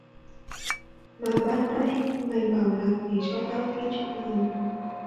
Mà ban nãy mày bảo là kể cho tao nghe chuyện gì